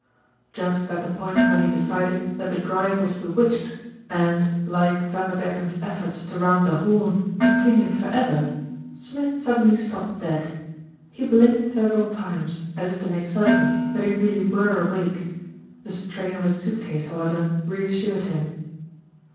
Just at the point when he had decided that the drive was bewitched and, like Vanderdecken's efforts to round the Horn, continued for ever, Smith suddenly stopped dead. He blinked several times, as if to make certain that he really were awake. The strain of his suit case, however, reassured him.